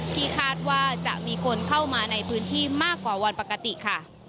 ที่คาดว่าจะมีคนเข้ามาในพื้นที่มากกว่าวันปกติค่ะ